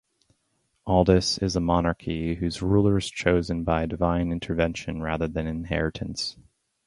Aldis is a monarchy whose ruler is chosen by divine intervention rather than inheritance.